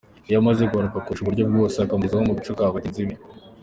Iyo amaze guhaguruka akoresha uburyo bwose akamugeza mu gaco ka bagenzi be.